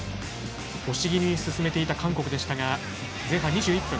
押し気味に進めていた韓国でしたが、前半２１分。